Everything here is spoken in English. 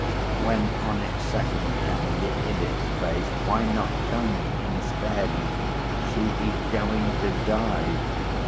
When on its second coming it hid its face, why not tell me instead: 'She is going to die.